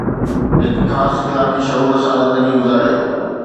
هڪ خاص اخلاقي شعور سان زندگي گذاريو